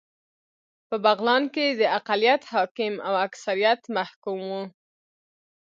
په بغلان کې اقلیت حاکم او اکثریت محکوم و